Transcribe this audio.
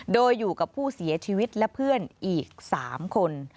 โดยอยู่กับผู้เสียชีวิตและเพื่อนอีก๓คน